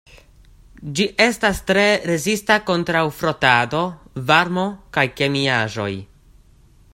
Ĝi estas tre rezista kontraŭ frotado, varmo kaj kemiaĵoj.